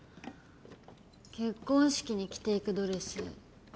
結婚式に来ていくドレス